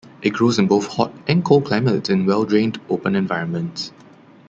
It grows in both hot and cold climates in well-drained, open environments.